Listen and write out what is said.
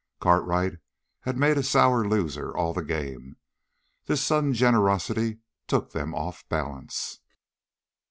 Cartwright had made a sour loser all the game. This sudden generosity took them off balance.